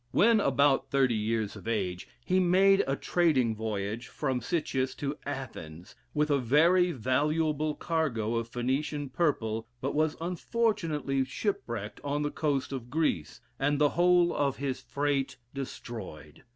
When about thirty years of age, he made a trading voyage from Cittius to Athens, with a very valuable cargo of Phoenician purple, but was unfortunately shipwrecked on the coast of Greece, and the whole of his freight destroyed.